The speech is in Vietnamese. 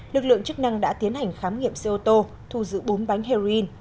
lực lượng chức năng đã tiến hành khám nghiệm xe ô tô thu giữ bốn bánh heroin